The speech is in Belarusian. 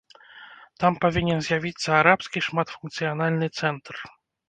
Там павінен з'явіцца арабскі шматфункцыянальны цэнтр.